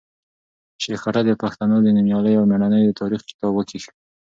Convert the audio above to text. شېخ کټه د پښتنو د نومیالیو او مېړنیو د تاریخ کتاب وکېښ.